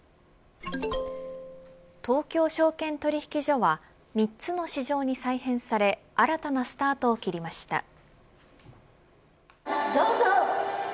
東京証券取引所は３つの市場に再編され新たなスタートを切りました。